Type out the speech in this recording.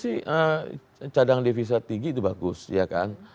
sebetulnya sih cadangan devisa tinggi itu bagus ya kan